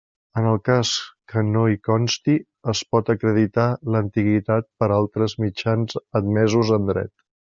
En el cas que no hi consti, es pot acreditar l'antiguitat per altres mitjans admesos en dret.